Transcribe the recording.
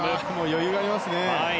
余裕がありますね。